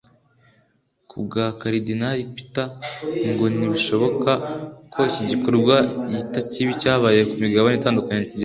Ku bwa Karidinali Peter ngo ntibishoboka ko iki gikorwa yita kibi cyabaye ku migabane itandukanye kigera muri Afurika